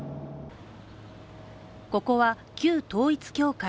ここは旧統一教会。